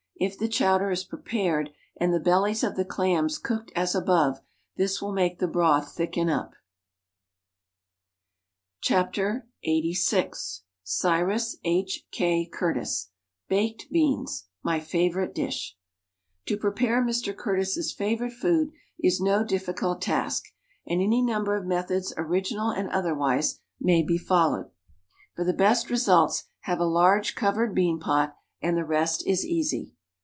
If the chowder is prepared and the bellies of the clams cooked as above, this will make the broth thicken up. [i66] WRITTEN FOR MEN BY MEN LXXXVI Cyrus H, K, Curtis BAKED BEANS {My Favorite Dish) To prepare Mr. Curtis' favorite food is no difficult task and any number of methods original and otherwise may be followed. For the best results have a large covered bean pot and the rest is easy.